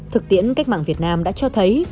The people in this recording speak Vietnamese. thực tiễn cách mạng việt nam đã cho thấy